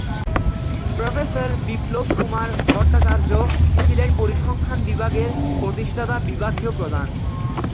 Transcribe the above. Professor Biplab Kumar Bhattacharya ছিলেন পরিসংখ্যান বিভাগের প্রতিষ্ঠাতা বিভাগীয় প্রধান।